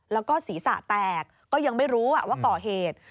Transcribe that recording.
แล้วก็ศีรษะแตกก็ยังไม่รู้ว่าก่อเหตุ